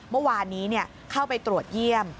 เมื่อวานนี้เข้าไปตรวจเยี่ยม